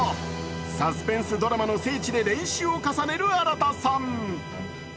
サスペンスドラマの聖地で練習を重ねる荒田さん。